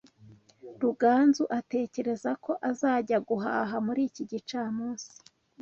Ruganzu atekereza ko azajya guhaha kuri iki gicamunsi.